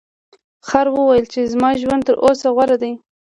خر وویل چې زما ژوند تر اس غوره دی.